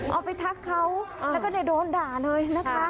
ไปทักเขาแล้วก็โดนด่าเลยนะคะ